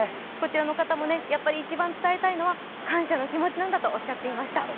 こちらの方も一番伝えたいのは感謝の気持ちなんだとおっしゃっていました。